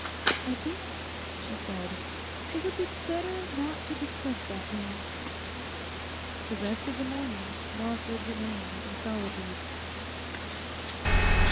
'I think,' she said, 'it would be better not to discuss that now.' The rest of the morning Lawford remained in solitude.